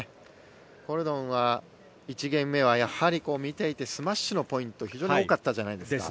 コルドンは１ゲーム目はやはり見ていてスマッシュのポイントが非常に多かったじゃないですか。